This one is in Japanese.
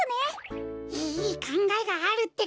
いいかんがえがあるってか！